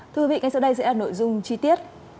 thưa quý vị ngay sau đây sẽ là nội dung chi tiết